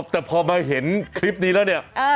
แต่พอมาเห็นคลิปนี้แล้วเนี่ย